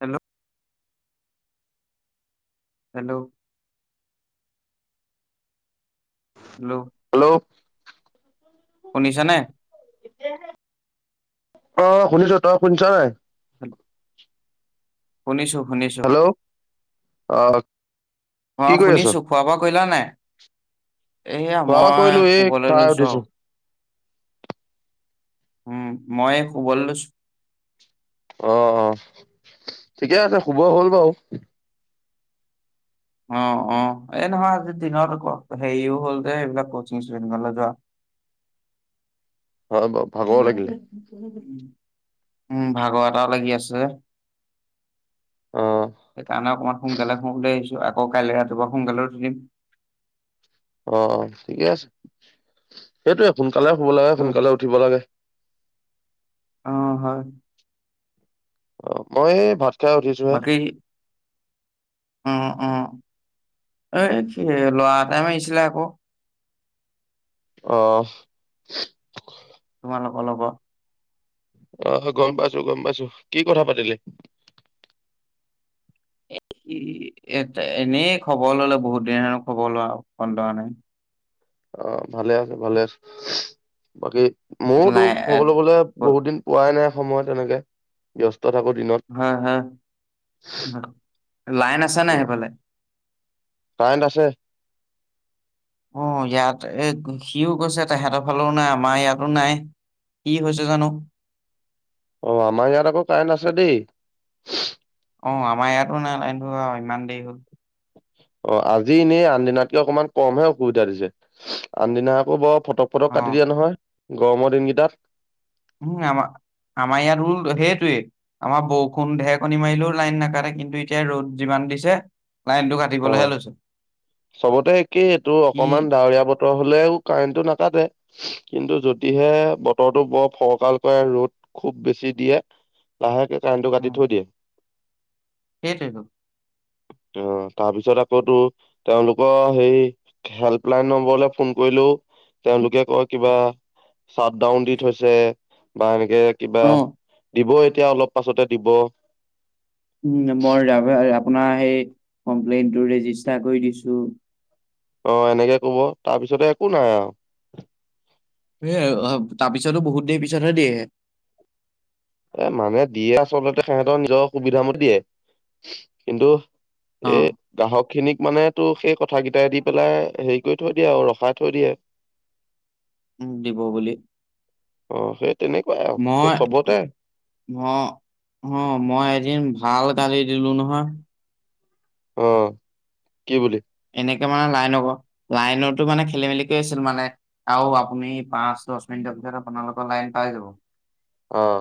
Hello hello'- hello hello শুনিছানে? অ শুনিছো তই শুনিছ নাই? উ শুনিছো। শুনিছো হেল্ল' অ অ কি কৰি আছ শুনিছো খোৱা বোৱা কৰিলা নাই? এইয়া খোৱা বোৱা কৰিলো মই এই শুবলৈ খাই লৈছো উঠিছো আৰু উম মই শুবলে লৈছো। অ অ ঠিকে আছে শুব হ'ল বাৰু অ অ এই নহয় আজি দিনত হেৰিও হ'ল যে এইবিলাক কচিং চচিং গলে যোৱা। [inaudible] হয় ক ভাগৰো লাগিলে। উম ভাগৰ এটাও লাগি আছে। অ সেইকাৰণে অকমান সোন কালে শুও বুলি ভাবিছো আকৌ কাইলে ৰাতিপুৱা সোনকালে‌ উঠি দিম অ ঠিকে আছে সেইটোয়ে সোনকালে শুব লাগে সোনকালে উঠিব লাগে। অ হয় অ মই এই ভাত খাই উঠিছো হে। বাকী অ অ এ ল'ৰা এটাই মাৰিছিলে আকৌ আহ তোমালোক লগত অহ গম পাইছো গম পাইছো কি কথা পাতিলি এক কি এ এনেই খবৰ ললে বহুত দিন হেনো খবৰ লোৱা কন লোৱা নাই অ ভালে আছে ভালে আছে বাকী ময়োতো লাই কবলৈ গলে বহুত দিন পোৱাই নাই সময় তেনেকে ব্যস্ত। থাকো দিনত হা হা লাইন আছে নাই সেইফালে কাৰেন্ট আছে। অ ইয়াত এ সিও গৈছে তেহেতৰ ফালেও নাই আমাৰ ইয়াতো নাই কি হৈছে জানো অ আমাৰ ইয়াত আকৌ কাৰেণ্ট আছে দেই অ আমাৰ ইয়াতো নাই লাইনটো ইমান দেৰি হ'ল অ আজি এনেই আন দিনাতকে অকমান কমহে অসুবিধা দিছে আনদিনা আকৌ বৰ ফটক অ ফটক কাটি দিয়া নহয় গৰমৰ দিনকেইটাত উম আমাৰ আমাৰ ইয়াত ৰোল সেইটোৱে আমাৰ বৰষুণ ঢেৰকণী মাৰিলেও লাইন নাকে কিন্তু এতিয়া ৰ'দ যিমান দিছে লাইনটো অ কাটিবলহে লৈছে চবতে একেই এইটো কি অকনমান ডাৱৰীয়া বতৰ হলেও কাৰেণ্টটো নাকাটে। কিন্তু যদিহে বতৰটো বৰ ফৰকাল কৰে ৰ'দ খুব বেছি দিয়ে লাহেকে কাৰেন্টটো কাটি উম থৈ দিয়ে। সেইটোৱেইটো অ তাৰপিছত আকৌ তো তেওঁলোকৰ হেই হেল্পলাইন নম্বৰলৈ ফোন কৰিলো তেওঁলোকে কয় কিবা চাট ডাউন দি থৈছে বা এ- নেকে কিবা অ দিব এতিয়া অলপ পাছতে দিব উম বৰাবে আপোনাৰ সেই কমপ্লেইনটো ৰেজিষ্টাৰ কৰি দিছো অ এনেকে কব তাৰপিছতে একো নাই আৰু। হে তাৰ পিছতো বহুত দেৰি পিছতহে দিয়ে। এ মানুহে দিয়ে আচলতে সিহঁতৰ নিজৰ সুবিধামতে দিয়ে কিন্তু এই অ', গ্ৰাহক খিনিক মানে। তো সেই কথা কেইটাই দি পেলাই হেৰি কৰি থৈ দিয়ে আৰু ৰখাই থৈ দিয়ে। উম, দিব বুলি অ সেই তেনেকুৱাই আৰু চবতে। অ অ মই এদিন ভাল গালি দিলো নহয়। অ কি বুলি। এনেকে মানে লাইনৰ লাইনো মানে খেলি মেলি কৰি আছিল মানে আৰু আপুনি পাঁচ দহ মিনিটৰ পিছত আপোনালোকৰ লাইন পাই যাব। অহ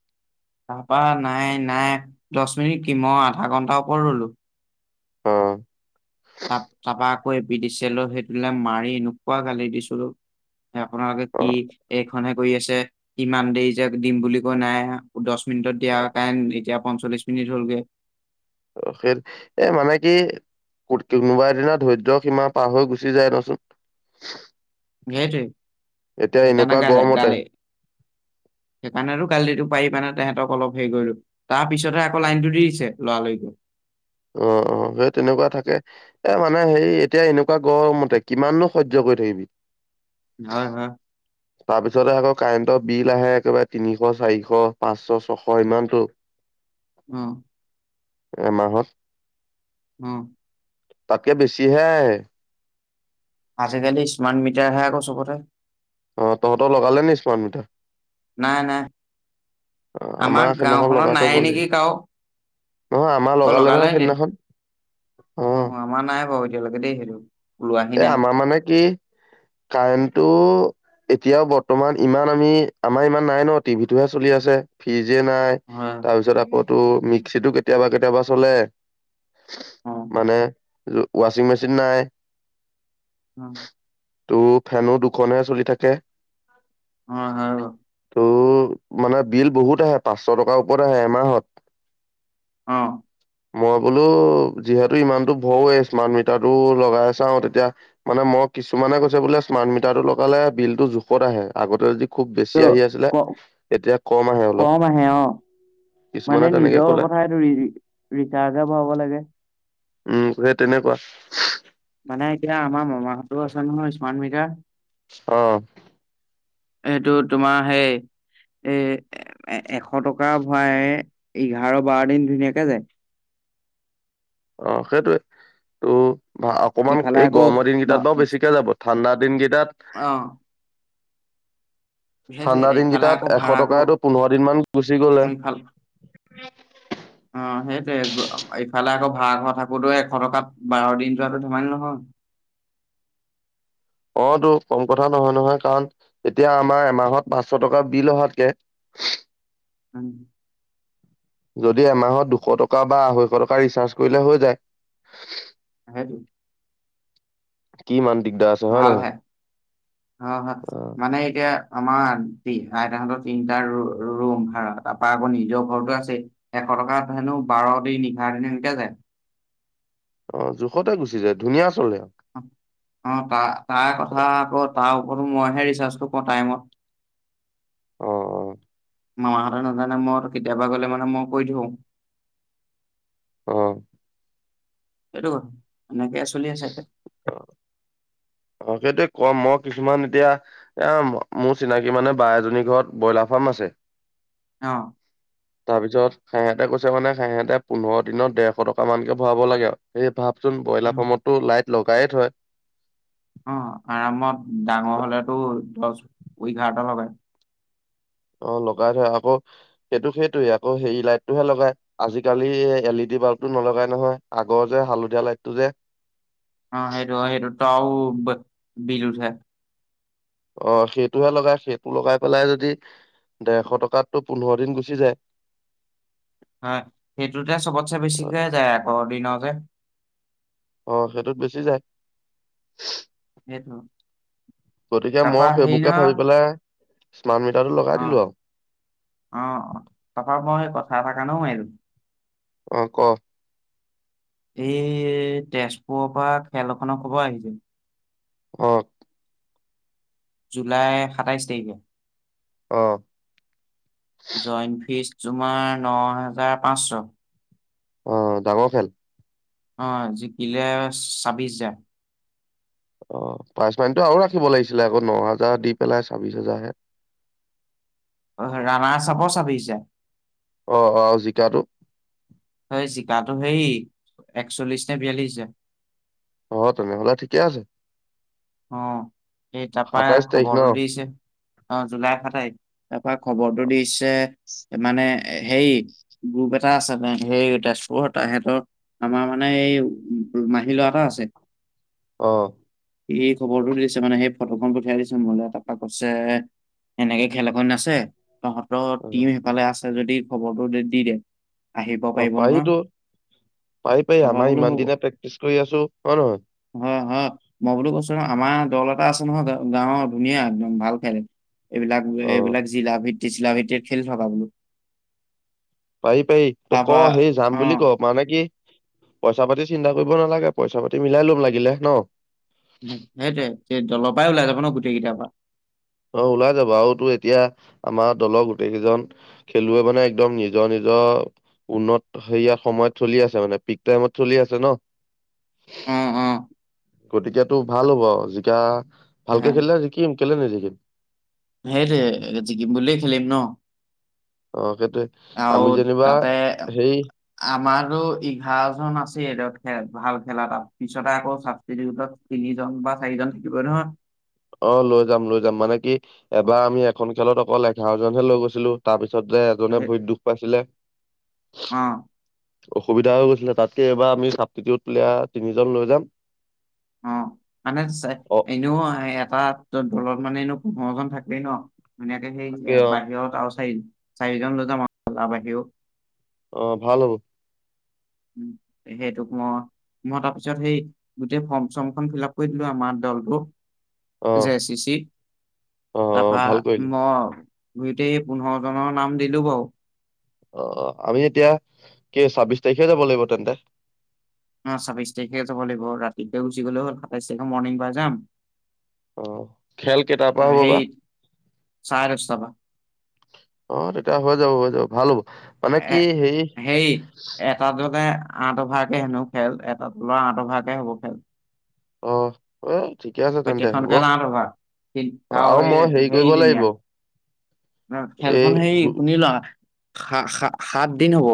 [unintelligible] তাপা নাই নাই দহ মিনিট কিম আধা ঘণ্টাৰ ওপৰত ৰলো। অহ। তাপ তাপাকৈ বিডিছেলৈ সেইটোলৈ মাৰি এনেকুৱা গালি দিছিলোঁ। আপোনালোকে অ কি এইখনে কৰি আছে ইমান দেৰি যে দিম বুলি কৈ নাই দহ মিনিটত দিয়া কাৰণ এতিয়া পঞ্চল্লিশ মিনিট ৰলগে অ স মানে কি কোনোবা এ দিনা ধৈৰ্য সীমা পাৰ হৈ গুচি যায় দেচোন। [unintelligible] সেইটোৱে এতিয়া সেইকাৰণে এনেকুৱা গাল গৰমতে গালে সেইকাৰণ গালটো। পাৰি পানে তহঁতক অলপ হেৰি কৰিলো তাৰ পিছতহে আকৌ লাইনটো দিছে লৰালৰিকে। উম অ। অ সেই তেনেকুৱা থাকে এ মানে হে এতিয়া এনেকুৱা গৰমতে কিমাননো সহ্য কৰি থাকিবি হয় হয়। তাৰপিছতে আকৌ কাৰেণ্টৰ বিল আহে একেবাৰে তিনিশ চাৰিশ পাঁচশ ছশ ইমানতো। উম। এমাহত উম। তাকে বেছি হে। আজিকালি স্মাৰ্ট মিটাৰহে আকৌ চবতে আহ তহঁতৰ লগালে নি স্মাৰ্ট মিটাৰ? নাই নাই অ আমাৰ সেইদিনাখন গাঁওখনত লগাই নাই থৈ গলহি। নেকি কাৰো অ লগালে নি অ আমাৰ নাই ক এতিয়ালৈকে দেই সেইটো। ওলোৱাহি এ নাই আমাৰ মানে কি কাৰেণ্টটো। এতিয়াও বৰ্তমান ইমান আমি আমাৰ ইমান নাই ন টিভি টোহে চলি আছে ফ্ৰিজ নিয়ে নাই হয় তাৰপিছত আকৌ মিক্সিটো কেতিয়াবা কেতিয়াবা চলে। অ মানে ৱাচিং মেচিন নাই। উম। ত' ফেনো দুখনেহ চলি থাকে। অ হয় বাৰু ত' মানে বিল বহুত আহে পাঁচশ টকাৰ ওপৰত আহে এমাহত। অহ মই বোলো যিহেতু ইমানতো ভৰোৱে স্মাৰ্ট মিটাৰ টো লগাই চাও তেতিয়া মানে মই কিছুমানে কৈছে বোলে স্মাৰ্ট মিটাৰ টো লগালে বিল টো জোখত আহে আগতে যদি খুব ত বেছি আহি আছিলে ক এতিয়া কম আহে অলপ। আহে অ কিছুমানে মানে তেনেকে নিজৰ কলে কথা এইটোৰি ৰিচাৰ্জে ভৰাব লাগে। উম সেই তেনেকুৱা। মানে এতিয়া আমাৰ মামাহঁতৰো আছে নহয় স্মাৰ্ট মিটাৰ। অ সেইটো তোমাৰ সেই এ এশ টকা ভৰাই এঘাৰ বাৰ দিন ধুনীয়াকে যায়। অ সেইটোয়ে ত' অকমান ইফালে এই আকৌ গৰমৰ দিনকেইটাত ভা- বা বেছিকে যাব ঠাণ্ডা দিনকেইটাত অ সেইটোৱে ঠাণ্ডা ইফালে দিনকেইটাত আকৌ এশ ভাড়া ঘৰ টকাইটো পোন্ধৰ দিন মান গুচি গ'লে। ইফাল [unintelligible] [inaudible] অ সেইটোৱে ইফালে আকৌ ভাঢ়া ঘৰ থাকোতে এশ টকাত বাৰ দিন যোৱাতো ধেমালি নহয়। [inaudible] অ টো কম কথা নহয় নহয় কাৰণ এতিয়া আমাৰ এমাহত পাঁচশ টকা বিল অহাতকে উম যদি এমাহত দুশ টকা বা আঢ়ৈশ টকা ৰিচাৰ্জ কৰিলে হৈ যায়। [inaudible] কিমান ভাল হে অ হ মানে এতিয়া আমাৰ আইতাহতৰ তিনটা ৰুম ভাড়া তাৰপা আকৌ নিজৰ ঘৰতো আছেই পটকাত হেনো বাৰ দিন এঘাৰ দিন সেনকে যায়। [unintelligible] অ জোখতে গুচি যায় ধুনীয়া চলে আৰু অ তাৰ তাৰ কথা আগত তাৰ মই হেৰি চাইছো ক টাইমত অ মামাহতে নাজানে মোৰ কেতিয়াবা গলে মানে মই কৈ থওঁ। আহ সেইটো কথা এনেকে চলি আছে। অ সেইটোয়ে কম মই কিছুমান এতিয়া এ মোৰ চিনাকি মানে বা এজনী ঘৰত ব্ৰইলাৰ ফ আছে এতিয়া অ তাৰপিছত সিহঁতে কৈছে মানে সেহেঁতে পোন্ধৰ দিনৰ দেৰশ টকা মানকে ভৰাব লাগে আৰু স ভাৱ [unintelligible] চোন ব্ৰইলাৰ ফামতো লাইট লগাই থয়। [unintelligible] অ আৰামত ডাঙৰ হলেতো দহ এঘাৰটা লগে [unintelligible] অ লগাই থয় আকৌ সেইটো সেইটোৱে আকৌ হেৰি লাইটটোহে লগাই আজিকালি এল ই ডি [unintelligible] বাল্বটো নলগাই নহয় আগৰ যে হালধীয়া লাইটটো যে অ সেইটো সেইটো তও বিল উঠে। অ সেইটোহে লগাই সেইটো লগাই পেলাই যদি ডেৰশ টকাতো পোন্ধৰ দিন গুচি যায়। [unintelligible] [inaudible] হয় সেইটোতে চবতছে অ বেছিকে যায় আকৌ এদিনতে। অ সেইটোত বেছি যায়। সেইটো গতিকে তাৰপা মই হেৰি সেইবোৰকে নহয় ভাবি পেলাই স্মাৰ্ট মিটাৰটো লগাই অ দিলো আৰু অ অ তাপা মই সেই কথা এটাৰ কাৰণেও মাৰিলোঁ। অ ক এই তেজপুৰৰ পৰা খেলখনৰ খবৰ আহিছিল। অ জুলাই সাতাইশ তাৰিখে অ জইণ্ট ফীজ তোমাৰ ন হাজাৰ পাঁচশ। অ ডাঙৰ খেল অ জিকিলে ছাব্বিশ হাজাৰ অ পাইচ মানিটো আৰু ৰাখিব লাগিছিলে আকৌ ন হাজাৰ দি পেলাই ছাব্বিশ হাজাৰহে। [unintelligible] অ ৰাণা চাব চাবিছে অ আহ জিকাটো হয় জিকাটো হে একচল্লিশ নে বিয়াল্লিছে [unintelligible] অ তেনেহলে ঠিকে আছে। অ স তাৰ পৰা সাতাইশ তাৰিখ ন খবৰটো দিছে। অ জুলাই সাতাইশ তাৰ পৰা খবৰটো দিছে মানে। হেৰি গ্ৰুপ এটা আছে সেই তেজপুৰ তাহেতৰ আমাৰ মানে এই মাহী লৰা এটা আছে। অ। সি খবৰটো দিছে মানে, সেই ফটোখন পঠিয়াই দিছে মোলৈ, তাৰপৰা কৈছে সেনেকে খেল এখন আছে তহঁতৰ অ টিম সেইফালে আছে যদি খবৰটো দি দে। আহিব পাৰিব নহয়। পাই পাই তাৰপা আমাৰ বোলো ইমান হ'ব দিনে প্ৰেক্টিচ কৰি আছো। হয় নহয় হয় হয় মই বোলো কৈছো ন আমাৰ দল এটা আছে নহয়। গ গাঁৱৰ ধুনীয়া একদম ভাল খেলে। এইবিলাক অ -এইবিলাক জিলা ভিত্তি চিলাভিত্তিৰ খেলি থকা বোলো। পাৰি পাৰি তই ক তাৰপা সেই যাম অ বুলি ক মানে কি পইচা পাতি চিন্তা কৰিব নালাগে। পইচা পাতি মিলাই লম লাগিলে ন। সেইটোৱেই। দলৰ পৰাই ওলাই যাব ন গোটেই কেইটাৰ পৰা। অ ওলাই যাব আৰুতো এতিয়া আমাৰ দলৰ গোটেই কেইজন খেলুৱৈ মানে একদম নিজৰ -নিজৰ উন্নত সেয়া সময়ত চলি আছে মানে পিক টাইমত চলি আছে ন? অ', অ'। গতিকেটো ভাল হ'ব যেতিয়া। ভালকে খেলিলে জিকিম কেলে নিজিকিম। সেই জিকিম বুলিয়ে খেলিম ন। অ সেইটোৱে আৰু আমি যেনিবা তাতে সেই আমাৰো এঘাৰ জন আছে। [unintelligible] ভাল খেলা। তাৰ পিছতে আকৌ চাবচিটিত তিনিজন বা চাৰিজন থাকিবই নহয়। অ লৈ যাম লৈ যাম, মানে কি অ', এবাৰ আমি এখন খেলত অকল এঘাৰজনহে লৈ গৈছিলো তাৰ পিছত। পিছতে এজনে সেই ভৰিত দুখ পাইছিলে। অ অসুবিধা হৈ গৈছিলে, তাতকে এইবাৰ আমি চাবছিতিউত প্লেয়াৰ তিনিজন লৈ যাম। অ মানে অ এনেও এটা দলত মানে এনেও পোন্ধৰ জন থাকেই ন ধুনীয়াকে সেই তাকে অ বাহিৰত আৰু চাৰি চাৰিজন লয় যাম আৰু তাৰ বাহিৰেও। অ ভাল হ'ব। উ সেইটোক মই মই তাৰপিছত সেই গোটেই ফৰ্ম চৰ্মখন ফিল আপ কৰি দিলো আমাৰ দলটোক অ জে চিচি অ তাৰপা ভাল কৰিলি ম গতেই পোন্ধৰ জনৰ নাম দিলো বাৰু। অ আমি এতিয়া কি ছাব্বিশ তাৰিখে যাব লাগিব তেন্তে। অ ছাব্বিশ তাৰিখে যাব লাগিব ৰাতিকে গুচি গ'লে হ'ল সাতাইছ তাৰিখে মৰ্ণিং পাই যাম। অ খেল কেইটাৰ পৰা হ'ব সেই বা। চাৰে দহটা পৰা অ তেতিয়া হৈ যাব হৈ যাব। ভাল হ'ব মানে এ কি হেৰি হেই এটা দলে আঠ অভাগে হেনো খেল এটা লৰা আঠ অভাগে হ'ব খেল। অ উ। বাকীখন খেল আঠ অভাৰ তাকো আৰু এই মই হেৰি কৰিব লাগিব হেইদিনীয়া এই খেলখন হে গো- শুনি লোৱা সাত দিন হ'ব।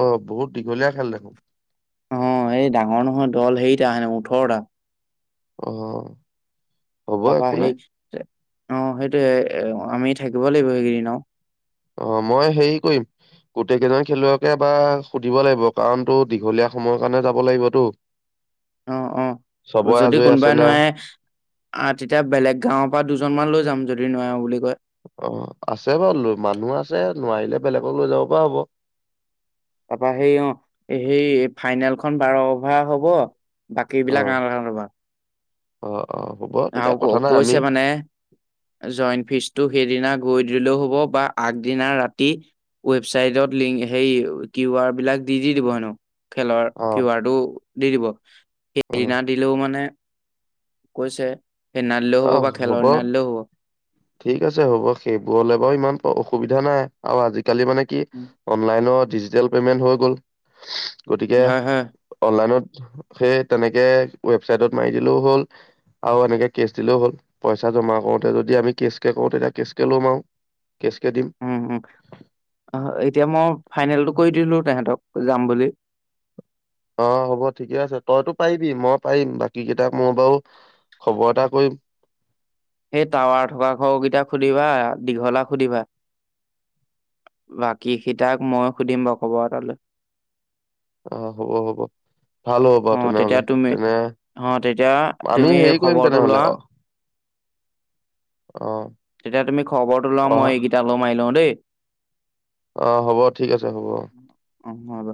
অ বহুত দীঘলীয়া খেল দেখোন। অ এই ডাঙৰ নহয় দল হেৰিটা সেনে ওঠৰটা। অ হ'ব তাৰপা একো সেই নাই অ সেইটোবে আমি থাকিব লাগিব এইকেইদিন আৰু। [unintelligible] অ মই হেৰি কৰিম গোটেই কেইজন খেলুৱৈকে বা সুধিব লাগিব কাৰণ তো দীঘলীয়া সময়ৰ কাৰণে। যাব লাগিবতো। অহ অহ চবৰে যদি আজৰি আছে কোনোবাই নাই নোৱাৰে আহ তেতিয়া বেলেগ গাঁওৰ পৰা দুজন মান লৈ যাম যদি। যদি নোৱাৰোঁ বুলি কয়। অ আছে বাৰু লো- মানুহ আছে নোৱাৰিলে বেলেগক লৈ যাব পৰা হ'ব। তাৰপা সেই অ' এই সেই ফাইনেলখন বাৰ অভাৰ হ'ব। অ বাকীবিলাক আ [unintelligible] অভাৰ। অ'। অ হ'ব তেতিয়া আৰু ক- কথা নাই আমি কৈছে মানে, জইন ফিজটো সেইদিনা গৈ দিলেও হব বা আগদিনা ৰাতি ৱেবছাইটত লিং- সেই কিউ আৰ বিলাক দি - দি দিব হেনো। খেলৰ অ কিউ আৰটো দি দিব। অ সেইদিনা দিলেও মানে কৈছে, সেইদিনা দিলেও হ'ব বা খেলৰ দিনা দিলেও হব। ঠিক আছে, হ'ব। সেইবোৰলে বাৰু ইমান অসুবিধা নাই। আৰু আজিকালি মানে কি, অনলাইনত ডিজিটেল পেমেন্ট হৈ গ'ল। গতিকে হয় হয় অনলাইনত সেই তেনেকে ৱেবছাইটত মাৰি দিলেও হ'ল। আৰু এনেকে কেছ দিলেও হ'ল। পইচা জমা কৰোঁতে যদি আমি কেছকে কৰোঁ, তেতিয়া কেছ কে লম আৰু। কেচকে দিম উম - উম। অ'- এতিয়া মই ফাইনেলটো কৰি দিলোঁ তেহেতক। যাম বুলি। অ' হ'ব, ঠিকে আছে। তইতো পাৰিবি, মই পাৰিম। বাকীকেইটাক মোৰ বাৰু, খবৰ এটা কৰিম। সেই টাৱাৰ থকা ঘৰকেইটাক সুধিবা। দীঘলাক সুধিবা। বাকীকেইটাক মই সুধিম বাৰু, খবৰ এটা লৈ। অ' হ'ব - হ'ব। ভাল হ'ব অ বাৰু তেতিয়া তেনেহলে। তুমি তেনে, অ তেতিয়া আমি তুমি হেৰি কৰিম খবৰটো লোৱা তেনেহলে অ' অ তেতিয়া তুমি খবৰটো লোৱা। অহা মই এইকেইটা লগত মাৰি লওঁ দেই। অ' হ'ব। ঠিক আছে, হ'ব। অ' হব।